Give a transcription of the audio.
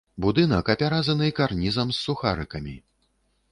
Будынак апяразаны карнізам з сухарыкамі.